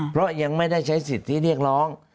เพราะยังไม่ได้ใช้สิทธิเรียกร้อง